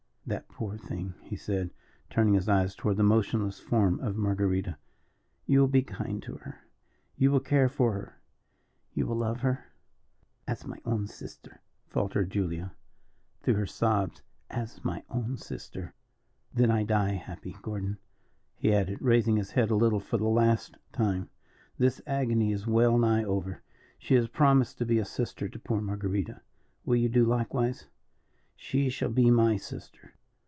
"That poor thing," he said, turning his eyes toward the motionless form of Marguerita, "you will be kind to her you will care for her you will love her?" "As my own sister," faltered Julia through her sobs, "as my own sister." "Then I die happy. Gordon," he added, raising his head a little for the last time, "this agony is well nigh over. She has promised to be a sister to poor Marguerita; will you do likewise?" "She shall be my sister."